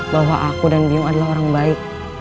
bahwa aku dan bio adalah orang baik